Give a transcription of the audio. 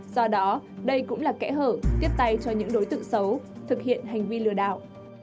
do đó đây cũng là kẽ hở tiếp tay cho những đối tượng xấu thực hiện hành vi lừa đảo